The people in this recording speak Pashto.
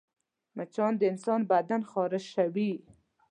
مچان د انسان بدن خارشوي